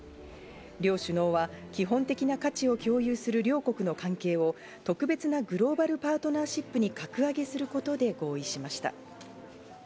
両首脳は基本的な価値を共有する両国の関係を特別なグローバルパートナーシップに格上げすることで合意しました。